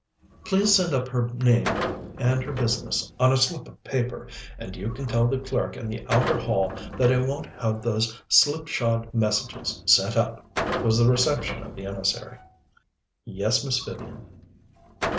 "Please send up her name and her business on a slip of paper, and you can tell the clerk in the outer hall that I won't have those slipshod messages sent up," was the reception of the emissary. "Yes, Miss Vivian."